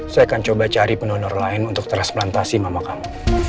saya akan coba cari pendonor lain untuk transplantasi mama kamu